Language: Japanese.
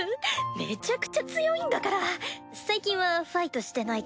めちゃくちゃ強いんだから最近はファイトしてないけど。